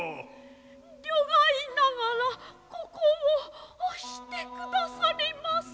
慮外ながらここを押してくださりませ。